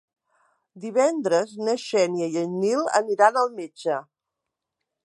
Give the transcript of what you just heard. Divendres na Xènia i en Nil aniran al metge.